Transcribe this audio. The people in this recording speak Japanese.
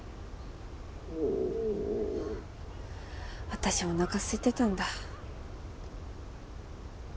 はぁ私おなかすいてたんだ。